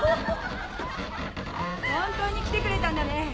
本当に来てくれたんだね。